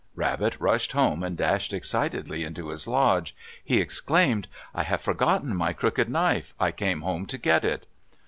Rabbit rushed home and dashed excitedly into his lodge. He exclaimed, "I have forgotten my crooked knife! I came home to get it."